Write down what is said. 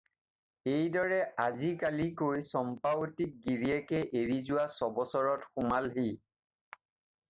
এইদৰে আজি-কালিকৈ চম্পাৱতীক গিৰীয়েকে এৰি যোৱা ছবছৰত সোমলহি।